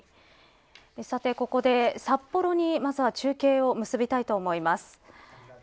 さてここで、札幌にまずは中継を結びたいと思います。